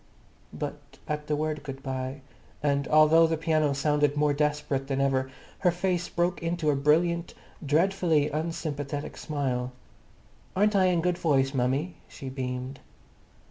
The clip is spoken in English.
But at the word "Good bye," and although the piano sounded more desperate than ever, her face broke into a brilliant, dreadfully unsympathetic smile. "Aren't I in good voice, mummy?" she beamed.